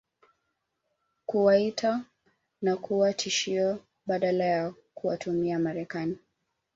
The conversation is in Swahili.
kuwaita na kuwa tishio badala ya kuwatumia Marekani